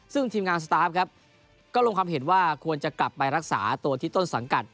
ซึ่งทีมงานสตาฟครับก็ลงความเห็นว่าควรจะกลับไปรักษาตัวที่ต้นสังกัด